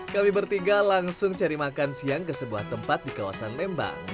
kami bertiga langsung cari makan siang ke sebuah tempat di kawasan lembang